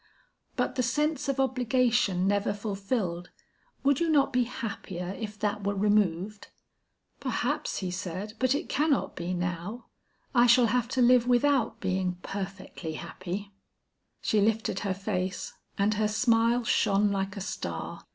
"But the sense of obligation never fulfilled, would you not be happier if that were removed?" "Perhaps," he said, "but it cannot be now. I shall have to live without being perfectly happy." She lifted her face and her smile shone like a star.